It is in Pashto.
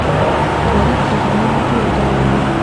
غریب د غني نه ډېره دعا لري